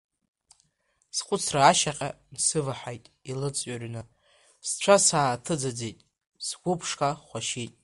Схәыцра ашьаҟа нсываҳаит илыҵҩрны, сцәа сааҭаӡыӡеит, сгәы ԥшқа хәашьит.